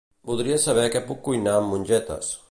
Voldria saber què puc cuinar amb mongetes.